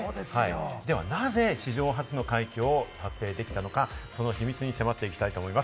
ではなぜ史上初の快挙を達成できたのか、その秘密に迫っていきたいと思います。